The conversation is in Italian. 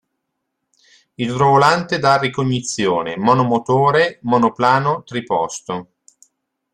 Idrovolante da ricognizione, monomotore, monoplano, triposto.